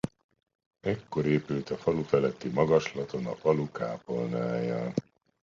Ekkor épült a falu feletti magaslaton a falu kápolnája.